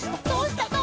「どうした？」